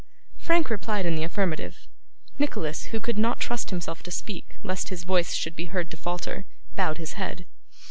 Frank replied in the affirmative. Nicholas, who could not trust himself to speak lest his voice should be heard to falter, bowed his head.